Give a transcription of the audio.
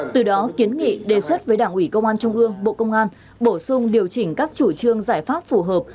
từ đó kiến nghị đề xuất với đảng ủy công an trung ương bộ công an bổ sung điều chỉnh các chủ trương giải pháp phù hợp